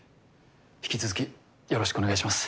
引き続きよろしくお願いします。